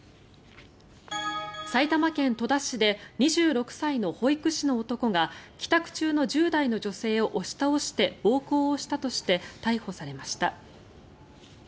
埼玉県戸田市で２６歳の保育士の男が帰宅中の１０代の女性を押し倒して暴行をしたとして逮捕されました。